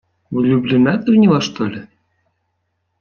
Влюблена ты в него, что ли?